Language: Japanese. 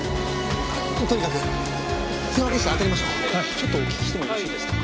ちょっとお聞きしてもよろしいですか？